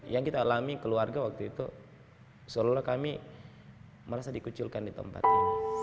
yang kita alami keluarga waktu itu seolah olah kami merasa dikucilkan di tempat ini